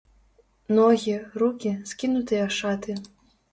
Ногі, рукі, скінутыя шаты.